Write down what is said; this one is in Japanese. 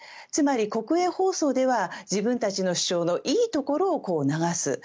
つまり国営放送では自分たちの主張のいいところを流す。